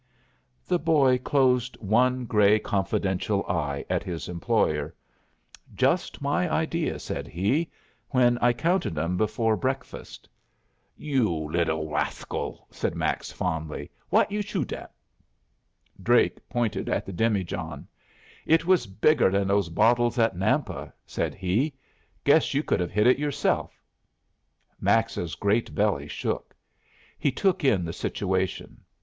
The boy closed one gray, confidential eye at his employer. "Just my idea," said he, "when I counted 'em before breakfast." "You liddle r rascal," said Max, fondly, "What you shoot at?" Drake pointed at the demijohn. "It was bigger than those bottles at Nampa," said he. "Guess you could have hit it yourself." Max's great belly shook. He took in the situation.